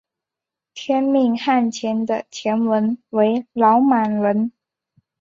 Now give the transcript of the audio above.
天命汗钱的钱文为老满文。